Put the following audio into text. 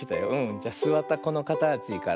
じゃすわったこのかたちから。